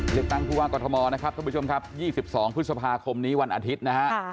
เรียกตั้งภูวาห์กอทมนะครับทุกผู้ชมครับ๒๒พฤษภาคมนี้วันอาทิตย์นะครับ